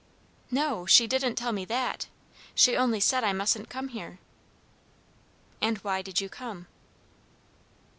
"No, she didn't tell me that. She only said I mustn't come here." "And why did you come?"